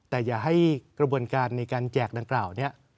แต่อย่าให้กระบวนการในการแจกดังกล่าวนี้